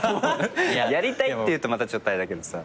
やりたいって言うとまたちょっとあれだけどさ。